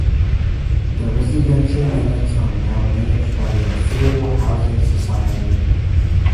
The residential units are now managed by the Affordable Housing Society.